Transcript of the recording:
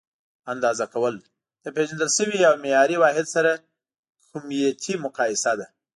اندازه کول: له پېژندل شوي او معیاري واحد سره کمیتي مقایسه ده.